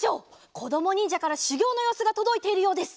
こどもにんじゃからしゅぎょうのようすがとどいているようです。